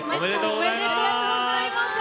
おめでとうございます。